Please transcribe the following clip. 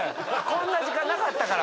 こんな時間なかったから！